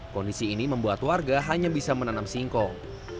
kondisi ini membuat warga hanya bisa menanam singkong